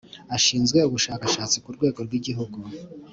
Ashinzwe ubushakashatsi ku rwego rw’igihugu